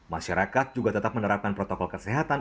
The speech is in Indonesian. masyarakat juga tetap menerapkan protokol kesehatan